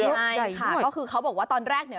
ใช่ค่ะก็คือเขาบอกว่าตอนแรกเนี่ย